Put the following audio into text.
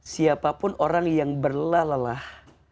siapapun orang yang berlelah lelah